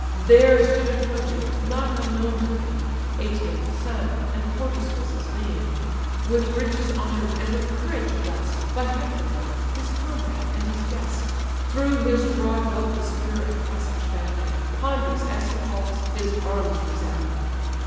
There stood a Trojan, not unknown to fame, Aëtion's son, and Podes was his name: With riches honour'd, and with courage bless'd, By Hector loved, his comrade, and his guest; Through his broad belt the spear a passage found, And, ponderous as he falls, his arms resound.